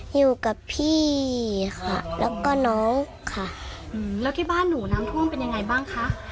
อยู่กับพี่ค่ะแล้วก็น้องค่ะแล้วที่บ้านหนูน้ำท่วมเป็นยังไงบ้างคะ